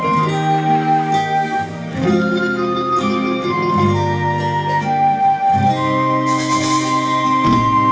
สวัสดีครับ